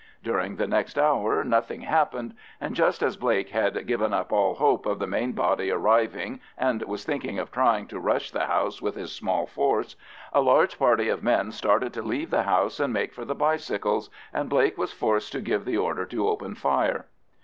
During the next hour nothing happened, and just as Blake had given up all hope of the main body arriving and was thinking of trying to rush the house with his small force, a large party of men started to leave the house and make for the bicycles, and Blake was forced to give the order to open fire.